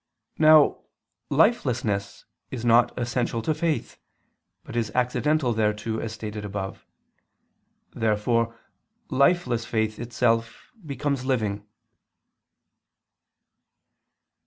Now lifelessness is not essential to faith, but is accidental thereto as stated above. Therefore lifeless faith itself becomes living.